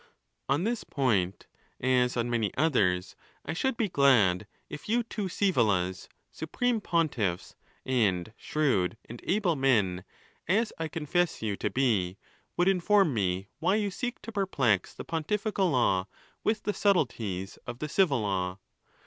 XXI. On this point, as on many others, I should be glad if you two Sczevolas, supreme pontiffs, and shrewd and able men, as I confess you to be, would inform me why you seek to perplex the pontifical law with the subtleties of the civil, law?